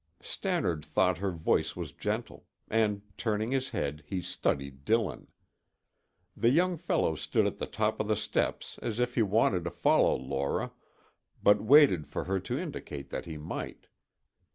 Stannard thought her voice was gentle, and turning his head, he studied Dillon. The young fellow stood at the top of the steps as if he wanted to follow Laura, but waited for her to indicate that he might.